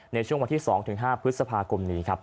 ในช่วงวันที่๒๕พฤษภาคมนี้ครับ